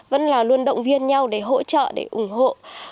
vẫn là luôn động viên nhau để hỗ trợ để ủng hộ